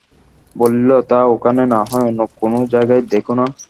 বলিল, তা ওখানে না হয়, অন্য কোন জায়গায় দেখো না?